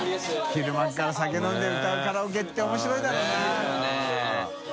昼間から酒飲んで歌うカラオケって面白いだろうな。））